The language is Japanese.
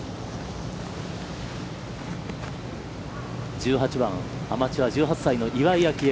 １８番、アマチュア、１８歳の岩井明愛。